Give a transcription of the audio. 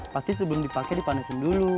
pasti sebelum dipake dipanesin dulu